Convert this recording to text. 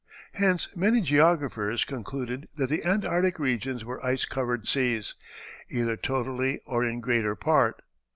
Hence many geographers concluded that the Antarctic regions were ice covered seas, either totally or in greater part.